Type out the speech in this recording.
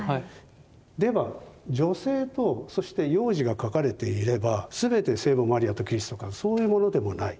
では女性とそして幼児が描かれていれば全て聖母マリアとキリストかというとそういうものでもない。